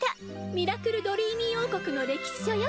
「ミラクルドリーミー王国」の歴史書よ。